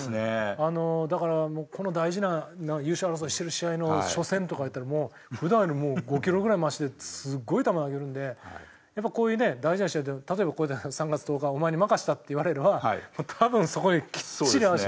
あのだからこの大事な優勝争いしてる試合の初戦とかやったらもう普段よりもう５キロぐらい増しですごい球投げるんでやっぱこういうね大事な試合例えばこれで３月１０日お前に任したって言われれば多分そこにきっちり合わせてくるんですよね。